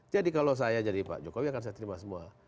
jadi kalau saya jadi pak jokowi akan saya terima semua